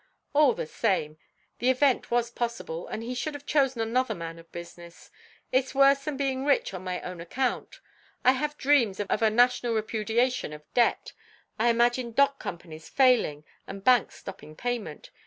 "All the same, the event was possible, and he should have chosen another man of business. It's worse than being rich on my own account. I have dreams of a national repudiation of debt; I imagine dock companies failing and banks stopping payment.